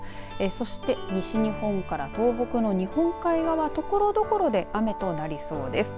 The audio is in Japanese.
そして西日本から東北の日本海側のところどころで雨となりそうです。